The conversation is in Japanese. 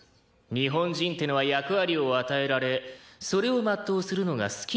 日本人ってのは役割を与えられそれを全うするのが好きな奴らだ。